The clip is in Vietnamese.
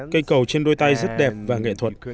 cây cầu trên đôi tay rất đẹp và nghệ thuật